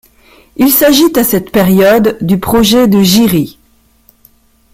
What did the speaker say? Il s'agit à cette période du projet de Jyri.